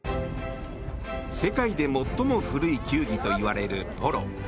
世界で最も古い球技といわれるポロ。